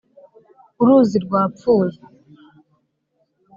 uruzi rwapfuye.